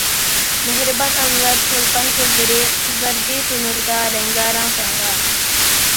مېھرىبان ئانىلار چولپان كۆزلىرى، قىزاردى تونۇردا رەڭگارەڭ سەھرا.